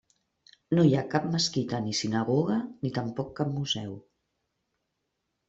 No hi ha cap mesquita ni sinagoga, ni tampoc cap museu.